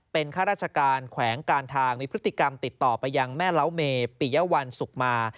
เป็นข้าราชการแขวงการทางมีพฤติกรรมติดต่อไปยังแม่เล้าเมปิยวัลสุขมา